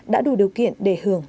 đã đủ điều kiện để hưởng